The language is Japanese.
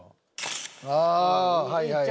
ああはいはい。